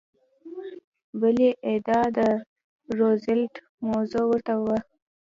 بلې ادعا کې د روزولټ موضوع ورته وه.